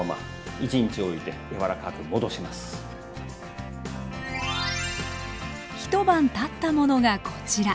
一晩たったものがこちら。